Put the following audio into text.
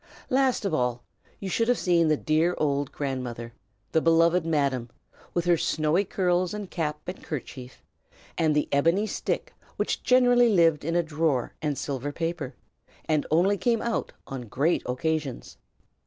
Last of all, you should have seen the dear old grandmother, the beloved Madam, with her snowy curls and cap and kerchief; and the ebony stick which generally lived in a drawer and silver paper, and only came out on great occasions.